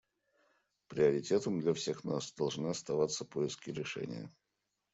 Приоритетом для всех нас должны оставаться поиски решения.